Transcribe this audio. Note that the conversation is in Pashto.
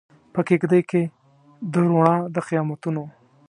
په کیږدۍ کې د روڼا د قیامتونو